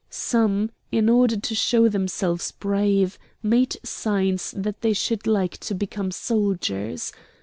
Some, in order to show themselves brave, made signs that they should like to become soldiers.